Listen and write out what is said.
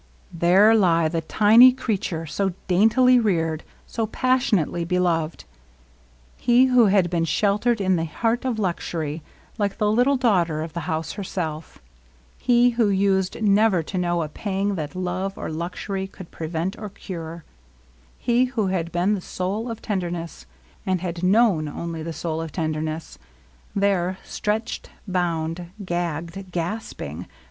There lay the tiny creature^ so daintily reared^ so passionately beloved ; he who had been sheltered in the heart of luxury^ like the little daughter of the house herself ; he who used never to know a pang that love or luxury could prevent or cure ; he who had been the soul of tenderness^ and had known only the soul of tenderness. There^ stretched^ bounds g^'gg^d, g^P^g?